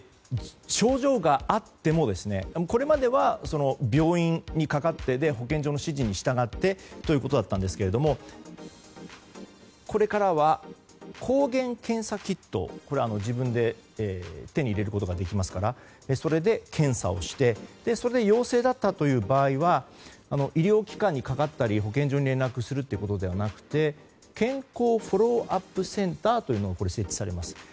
症状があってもこれまでは病院にかかって保健所の指示に従ってということだったんですがこれからは抗原検査キット自分で手に入れることができますからそれで検査をしてそれで陽性だった場合は医療機関にかかったり保健所に連絡するのではなくて健康フォローアップセンターが設置されます。